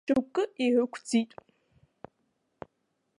Шьоукы ирықәӡит!